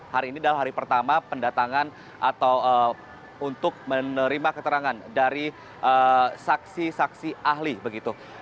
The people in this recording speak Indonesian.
hari ini adalah hari pertama pendatangan atau untuk menerima keterangan dari saksi saksi ahli begitu